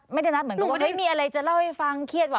เหมือนกันว่าเฮ้ยมีอะไรจะเล่าให้ฟังเครียดว่ะ